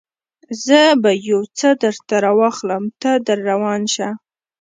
زه به یو څه درته راواخلم، ته در روان شه.